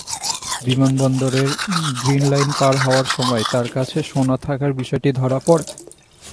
বিমানবন্দরের গ্রিনলাইন পার হওয়ার সময় তাঁর কাছে সোনা থাকার বিষয়টি ধরা পড়ে।